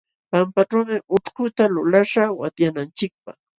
Pampaćhuumi ućhkuta lulaśhaq watyananchikpaq.